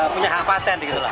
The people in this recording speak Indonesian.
punya hak patent gitu lah